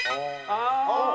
ああ！